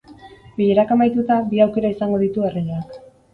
Bilerak amaituta, bi aukera izango ditu erregeak.